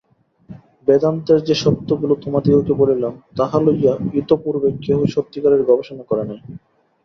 বেদান্তের যে সত্যগুলি তোমাদিগকে বলিলাম, তাহা লইয়া ইতঃপূর্বে কেহ সত্যিকারের গবেষণা করে নাই।